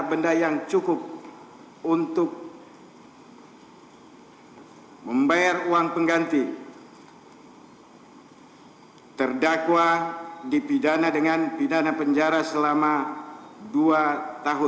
tiga menjatuhkan pidana kepada terdakwa dua subiharto